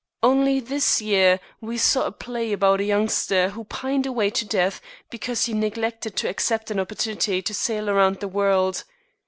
Only this year we saw a play about a youngster who pined away to death because he neglected to accept an opportunity to sail around the world.